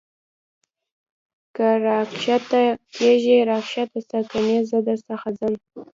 که را کښته کېږې را کښته سه کنې زه در څخه ځم.